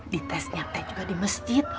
dites nyate juga di masjid